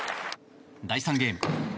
第３ゲーム。